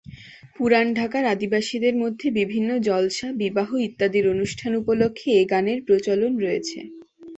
পুরান ঢাকার আদিবাসীদের মধ্যে বিভিন্ন জলসা, বিবাহ ইত্যাদি অনুষ্ঠান উপলক্ষে এ গানের প্রচলন রয়েছে।